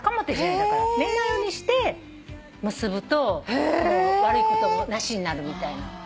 見えないようにして結ぶと悪いこともなしになるみたいな。